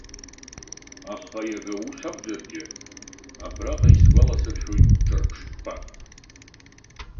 Аха иага ус акәзаргьы, абраҟа исгәаласыршәоит ҿырԥштәык.